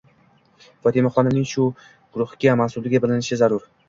Fotimaxonimning shu guruhga mansubligi bnlinishi zarur.